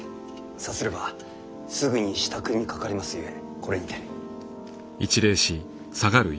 さすればすぐに支度にかかりますゆえこれにて。